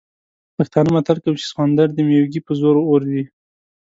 پښتانه متل کوي چې سخوندر د مېږوي په زور غورځي.